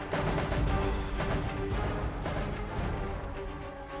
terima kasih serangan saya